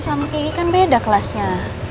kamu kiki kan beda kelasnya